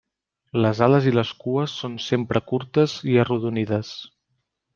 Les ales i les cues són sempre curtes i arrodonides.